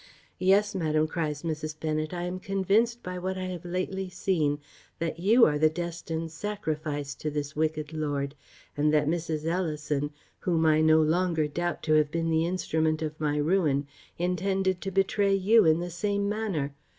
"Yes, madam," cries Mrs. Bennet, "I am convinced, by what I have lately seen, that you are the destined sacrifice to this wicked lord; and that Mrs. Ellison, whom I no longer doubt to have been the instrument of my ruin, intended to betray you in the same manner.